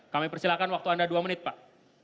kami persilahkan waktu anda dua menit pak